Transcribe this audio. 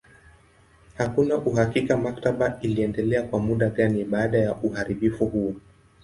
Hakuna uhakika maktaba iliendelea kwa muda gani baada ya uharibifu huo.